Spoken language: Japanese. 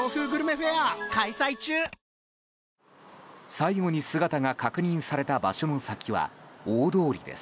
最後に姿が確認された場所の先は大通りです。